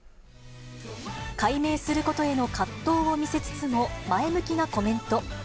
改名することへの葛藤を見せつつも前向きなコメント。